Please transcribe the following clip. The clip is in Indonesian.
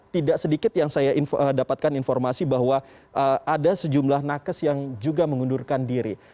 tidak sedikit yang saya dapatkan informasi bahwa ada sejumlah nakes yang juga mengundurkan diri